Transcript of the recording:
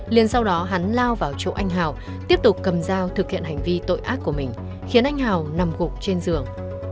liên sau đó hắn lao vào chỗ anh hào tiếp tục cầm dao thực hiện hành vi tội ác của mình khiến anh hào nằm gục trên giường